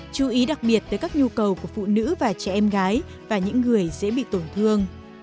chú ý đặc biệt tới các nhu cầu của phụ nữ và trẻ em gái và những người dễ bị tổn thương